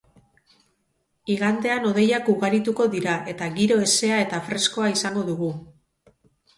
Igandean hodeiak ugarituko dira eta giro hezea eta freskoa izango dugu.